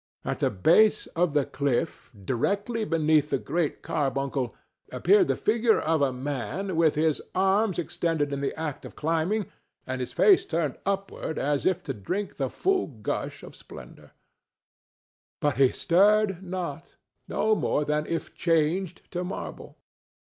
At the base of the cliff, directly beneath the Great Carbuncle, appeared the figure of a man with his arms extended in the act of climbing and his face turned upward as if to drink the full gush of splendor. But he stirred not, no more than if changed to marble.